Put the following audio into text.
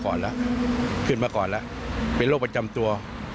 ขึ้นมาก่อนแล้วประจำตัว